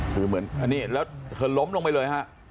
คือเหมือนอันนี้แล้วเธอล้มลงไปเลยฮะ